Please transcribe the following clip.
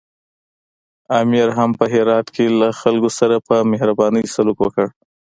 امیر هم په هرات کې له خلکو سره په مهربانۍ سلوک وکړ.